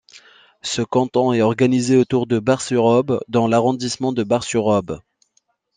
Ce canton est organisé autour de Bar-sur-Aube dans l'arrondissement de Bar-sur-Aube.